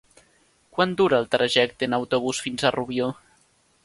Quant dura el trajecte en autobús fins a Rubió?